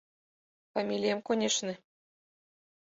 — Фамилием, конешне.